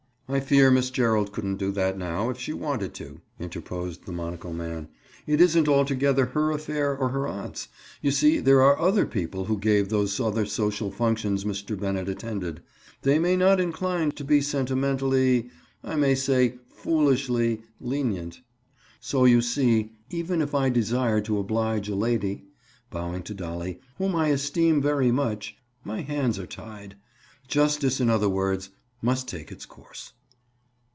"I fear Miss Gerald couldn't do that now, if she wanted to," interposed the monocle man. "It isn't altogether her affair or her aunt's. You see, there are other people who gave those other social functions Mr. Bennett attended. They may not incline to be sentimentally—I may say foolishly lenient. So you see even if I desired to oblige a lady"—bowing to Dolly "whom I esteem very much, my hands are tied. Justice, in other words, must take its course."